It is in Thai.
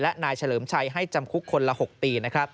และนายเฉลิมชัยให้จำคุกคนละ๖ปี